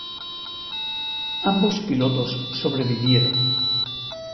Ambos pilotos sobrevivieron.